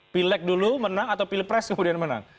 pilek dulu menang atau pilpres kemudian menang